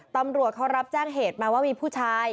ตำรวจเขารับแจ้งเหตุมาว่ามีผู้ชาย